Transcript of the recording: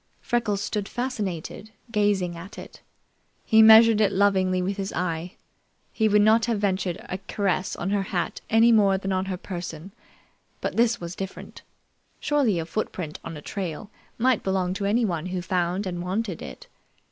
Freckles stood fascinated, gazing at it. He measured it lovingly with his eye. He would not have ventured a caress on her hat any more than on her person, but this was different. Surely a footprint on a trail might belong to anyone who found and wanted it.